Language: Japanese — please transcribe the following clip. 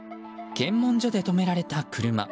検問所で止められた車。